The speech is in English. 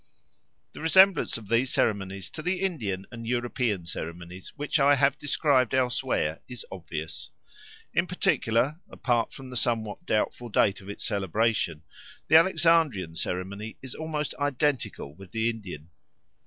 The resemblance of these ceremonies to the Indian and European ceremonies which I have described elsewhere is obvious. In particular, apart from the somewhat doubtful date of its celebration, the Alexandrian ceremony is almost identical with the Indian.